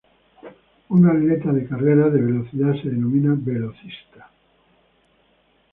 Un atleta de carreras de velocidad se denomina velocista.